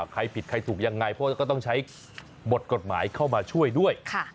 ใครผิดใครถูกยังไงเพราะว่าก็ต้องใช้บทกฎหมายเข้ามาช่วยด้วย